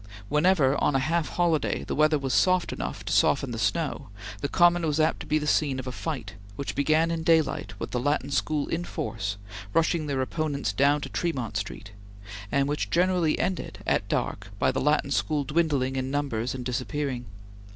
Whenever, on a half holiday, the weather was soft enough to soften the snow, the Common was apt to be the scene of a fight, which began in daylight with the Latin School in force, rushing their opponents down to Tremont Street, and which generally ended at dark by the Latin School dwindling in numbers and disappearing.